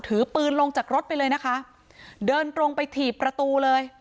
ถือปืนลงจากรถไปเลยนะคะเดินตรงไปถีบประตูเลย